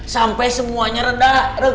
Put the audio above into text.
sampai semuanya reda